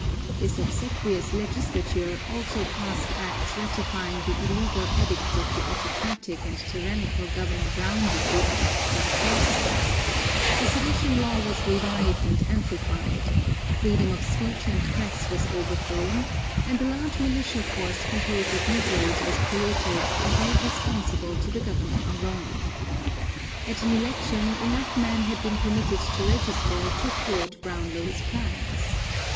This obsequious legislature also passed acts ratifying the illegal edicts of the autocratic and tyrannical Governor Brownlow ("The Parson"); the sedition law was revived and amplified; freedom of speech and press was overthrown, and a large militia force composed of negroes was created and made responsible to the governor alone. At an election enough men had been permitted to register to thwart Brownlow's plans.